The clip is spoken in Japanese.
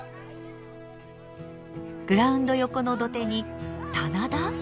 グラウンド横の土手に棚田⁉